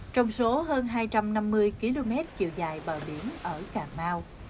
trong số hơn hai trăm năm mươi km chiều dài bờ biển ở cà mau